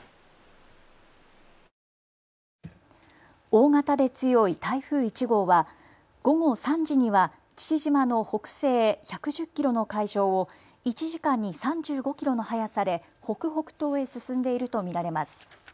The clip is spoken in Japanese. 大型で強い台風１号は午後３時には父島の北西１１０キロの海上を１時間に３５キロの速さで北北東へ進んでいると見られます。